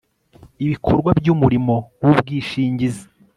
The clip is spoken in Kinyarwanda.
ibikorwa by umurimo w ubwishingizi